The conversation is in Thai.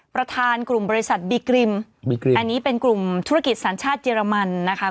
ประธานกลุ่มบริษัทบีกริมอันนี้เป็นกลุ่มธุรกิจสัญชาติเยอรมันนะคะ